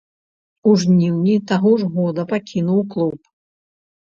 У жніўні таго ж года пакінуў клуб.